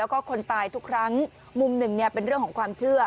แล้วก็คนตายทุกครั้งมุมหนึ่งเนี่ยเป็นเรื่องของความเชื่อ